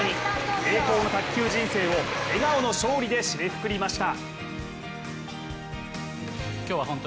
栄光の卓球人生を笑顔の勝利で締めくくりました。